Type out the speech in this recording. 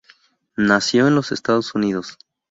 Nacido en los Estados Unidos.